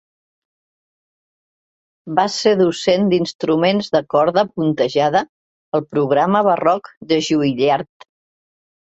Va ser docent d'instruments de corda puntejada al programa barroc de Juilliard.